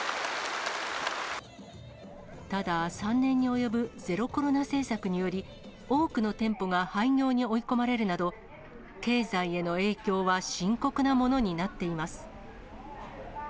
ただ、３年に及ぶゼロコロナ政策により、多くの店舗が廃業に追い込まれるなど、経済への影響は深刻なものになっています。